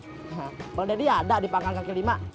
pembeli dedy ada di pangkal kaki lima